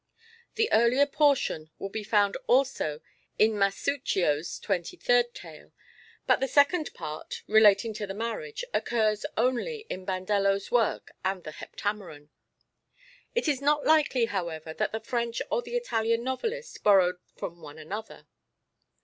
The earlier portion will be found also in Masuccio's twenty third tale: but the second part, relating to the marriage, occurs only in Bandello's work and the Heptameron. It is not likely, however, that the French or the Italian novelist borrowed from one another.